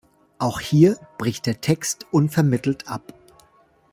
Auch hier bricht der Text unvermittelt ab.